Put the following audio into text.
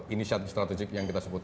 inisiatif strategik yang kita sebut